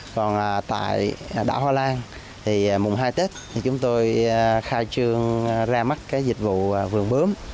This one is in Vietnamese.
còn tại đảo hoa lan thì mùng hai tết thì chúng tôi khai trương ra mắt cái dịch vụ vườn bướm